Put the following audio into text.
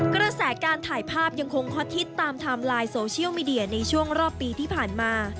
กระแสการถ่ายภาพยังคงฮอตฮิตตามไทม์ไลน์โซเชียลมีเดียในช่วงรอบปีที่ผ่านมา